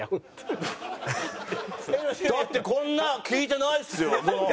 だってこんな聞いてないですよ。